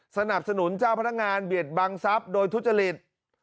สนับสนุนเจ้าพนักงานเบียดบังทรัพย์โดยทุจริต